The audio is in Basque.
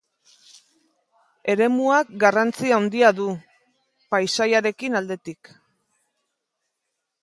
Eremuak garrantzi handia du, paisaiaren aldetik.